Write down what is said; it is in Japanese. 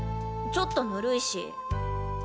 ちょっとぬるいし。